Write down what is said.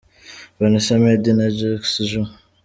Vanessa Mdee and Jux – Juu.